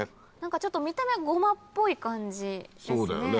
ちょっと見た目ゴマっぽい感じですね。